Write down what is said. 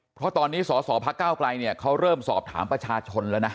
เพราะตอนนี้สพก้าวไกลเขาเริ่มสอบถามประชาชน